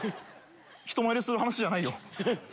人前でする話じゃないよ。